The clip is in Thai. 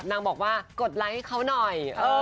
นางบอกว่ากดไลค์ให้เขาหน่อย